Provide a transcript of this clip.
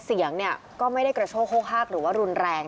เสียงก็ไม่ได้กระโชคโคฮากหรือว่ารุนแรง